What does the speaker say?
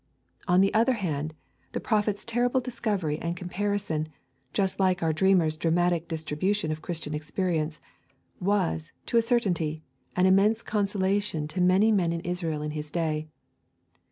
On the other hand, the prophet's terrible discovery and comparison, just like our dreamer's dramatic distribution of Christian experience, was, to a certainty, an immense consolation to many men in Israel in his day.